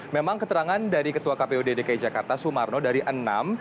memang keterangan dari ketua kpud dki jakarta sumarno dari enam